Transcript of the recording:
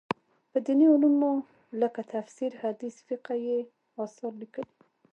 په دیني علومو لکه تفسیر، حدیث، فقه کې یې اثار لیکلي.